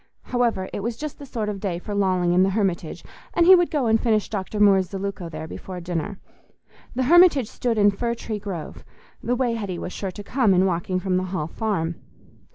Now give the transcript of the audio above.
However, it was just the sort of day for lolling in the Hermitage, and he would go and finish Dr. Moore's Zeluco there before dinner. The Hermitage stood in Fir tree Grove—the way Hetty was sure to come in walking from the Hall Farm.